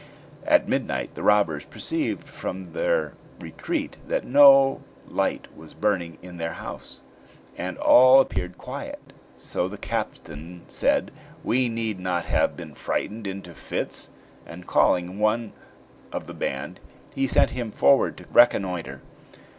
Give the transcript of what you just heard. At midnight the robbers perceived from their retreat that no light was burning in their house, and all appeared quiet; so the captain said: "We need not have been frightened into fits"; and, calling one of the band, he sent him forward to reconnoiter.